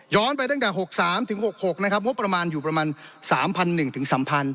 ไปตั้งแต่๖๓ถึง๖๖นะครับงบประมาณอยู่ประมาณ๓๑๐๐